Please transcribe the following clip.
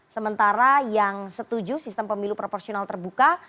sementara yang setuju sistem pemilu proporsional terbuka